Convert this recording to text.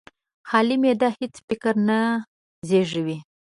خالي معده هېڅ فکر نه زېږوي.